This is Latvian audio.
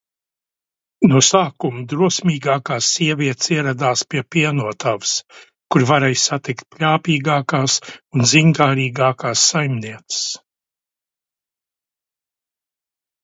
No sākuma drosmīgākās sievietes ieradās pie pienotavas, kur varēja satikt pļāpīgākās un ziņkārīgākās saimnieces.